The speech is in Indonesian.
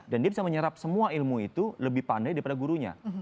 dan dia bisa menyerap semua ilmu itu lebih pandai daripada gurunya